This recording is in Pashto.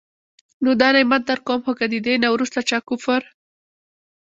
نو دا نعمت درکوم، خو که د دي نه وروسته چا کفر